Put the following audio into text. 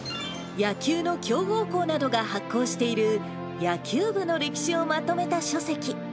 野球の強豪校などが発行している、野球部の歴史をまとめた書籍。